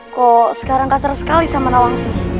kok sekarang kasar sekali sama nawangsi